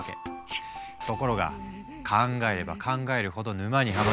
ところが考えれば考えるほど沼にはまり